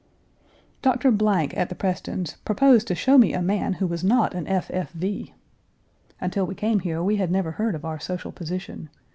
Doctor at the Prestons' proposed to show me a man who was not an F. F. V. Until we came here, we had never heard of our social position.